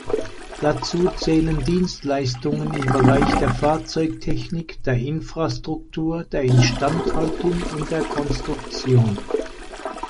Dazu zählen Dienstleistungen im Bereich der Fahrzeugtechnik, der Infrastruktur, der Instandhaltung und der Konstruktion.